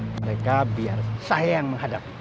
mereka biar saya yang menghadap